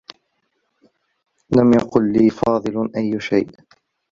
لم يقل لي فاضل أيّ شيء.